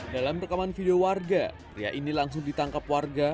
dalam rekaman video warga pria ini langsung ditangkap warga